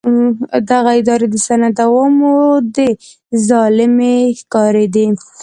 دغه ادارې د سند عوامو ته ظالمې ښکارېدې.